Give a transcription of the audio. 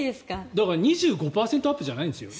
だから２５％アップじゃないんですよ。